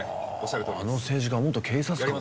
ああの政治家元警察官か。